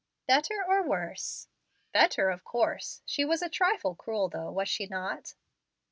"Better or worse?" "Better, of course. She was a trifle cruel, though, was she not?"